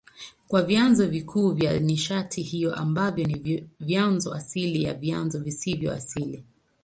Kuna vyanzo vikuu vya nishati hiyo ambavyo ni vyanzo asili na vyanzo visivyo asili.